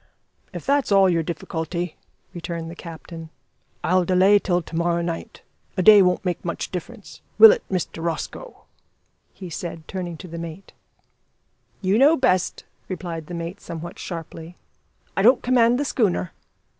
"If that's all your difficulty," returned the captain, "I'll delay till to morrow night. A day won't make much difference will it, Mr Rosco?" he said, turning to the mate. "You know best" replied the mate somewhat sharply, "I don't command the schooner."